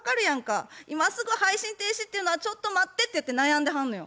今すぐ配信停止っていうのはちょっと待ってっていって悩んではんのよ。